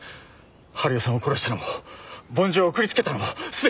治代さんを殺したのも梵字を送りつけたのも全て俺が。